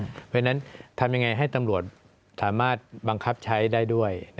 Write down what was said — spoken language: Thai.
เพราะฉะนั้นทำยังไงให้ตำรวจสามารถบังคับใช้ได้ด้วย